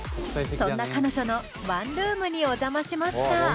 そんな彼女のワンルームにお邪魔しました。